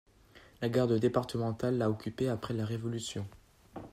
La garde départementale l'a occupée après la Révolution.